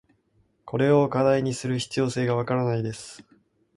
これを課題にする必要性が分からないです。